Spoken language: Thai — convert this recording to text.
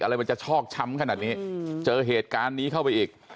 อะไรมันจะชอกช้ำขนาดนี้เจอเหตุการณ์นี้เข้าไปอีก